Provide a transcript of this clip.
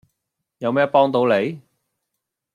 有咩幫到你?